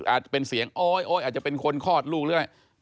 อาจจะเป็นเสียงโอ๊ยโอ๊ยอาจจะเป็นคนคลอดลูกหรืออะไร